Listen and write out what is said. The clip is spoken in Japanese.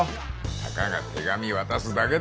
たかが手紙渡すだけだよ。